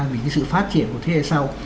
vì cái sự phát triển của thế hệ sau